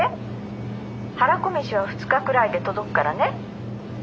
はらこ飯は２日くらいで届くからね。